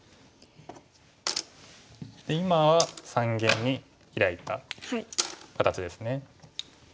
今は三間にヒラいた形ですね。